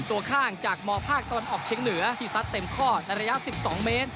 ตัวข้างจากมภาคตะวันออกเชียงเหนือที่ซัดเต็มข้อในระยะ๑๒เมตร